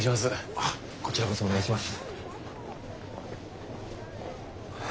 あっこちらこそお願いします。